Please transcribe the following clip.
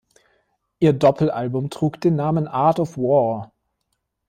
Ihr Doppel-Album trug den Namen "Art Of War".